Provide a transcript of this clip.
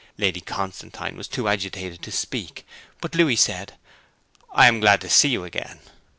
Lady Constantine was too agitated to speak, but Louis said, 'I am glad to see you again.